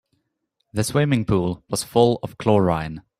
The swimming pool was full of chlorine.